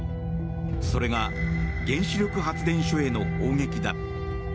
それが原子力発電所への砲撃だ。